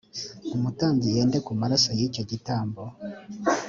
umutambyi yende ku maraso y;icyo gitambo